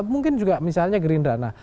mungkin juga misalnya gerindana